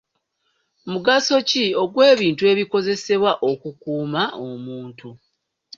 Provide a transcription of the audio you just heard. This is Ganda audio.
Mugaso ki ogw'ebintu ebikozesebwa okukuuma omuntu?